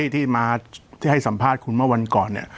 ที่มาที่ให้สัมภาษณ์คุณเมื่อวันก่อนเนี่ย